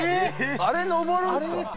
あれ登るんですか？